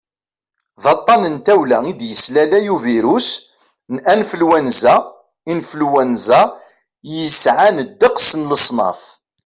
d aṭṭan n tawla i d-yeslalay ubirus n anflwanza influenza yesɛan ddeqs n leṣnaf